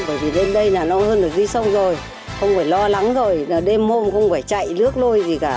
bởi vì lên đây nó hơn là đi sông rồi không phải lo lắng rồi đêm hôm không phải chạy nước lôi gì cả